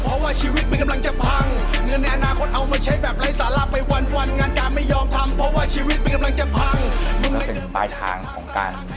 เราก็เป็นปลายทางของการ